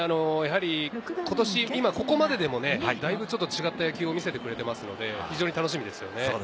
今年、今ここまででも、だいぶちょっと違った野球を見せてくれていますので、非常に楽しみです。